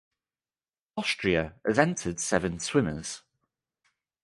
Austria has entered seven swimmers.